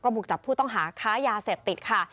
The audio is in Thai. บุกจับผู้ต้องหาค้ายาเสพติดค่ะ